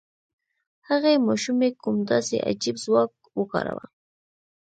هغې ماشومې کوم داسې عجيب ځواک وکاراوه؟